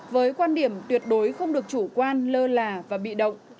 với quan điểm tuyệt đối không được chủ quan lơ là và bị động